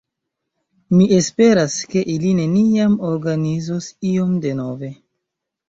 Mi esperas, ke ili neniam organizos ion denove.